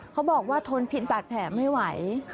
เขาบอกว่าทนพินบาดแผลไม่ไหว